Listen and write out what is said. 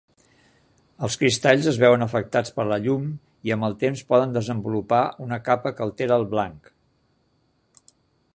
Els cristalls es veuen afectats per la llum i amb el temps poden desenvolupar una capa que altera el blanc.